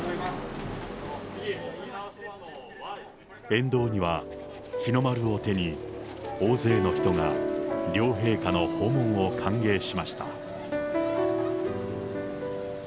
沿道には日の丸を手に、大勢の人が両陛下の訪問を歓迎しました。